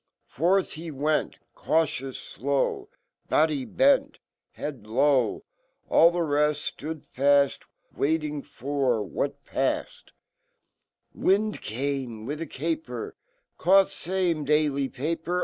^ Frfh hewent, Cautious, Body bent , Head iov^, Allfhereft Stood faff, Waiting for What paffed, "Wind came Wifhacaper, Caught fame Dally paper.